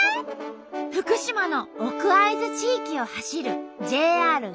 福島の奥会津地域を走るＪＲ只見線です。